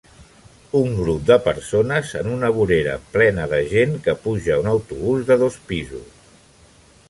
Un grup de persones en una vorera plena de gent que puja a un autobús de dos pisos.